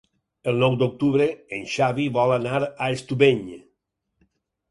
El nou d'octubre en Xavi vol anar a Estubeny.